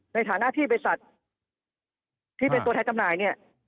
ในฐานะที่บริษัทที่เป็นตัวแทนจำหน่ายเนี่ย